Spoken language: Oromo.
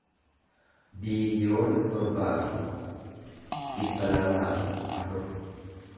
biiliyoona torbaa fi dhibba lamaa fi afur